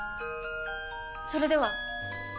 それでは！